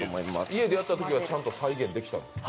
家でやったときはちゃんと再現できたんですか。